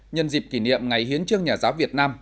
nhân dịp kỷ niệm ngày hiến trương nhà giáo việt nam